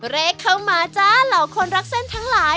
เลขเข้ามาจ้าเหล่าคนรักเส้นทั้งหลาย